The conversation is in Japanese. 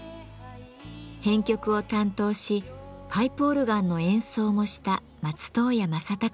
編曲を担当しパイプオルガンの演奏もした松任谷正隆さん。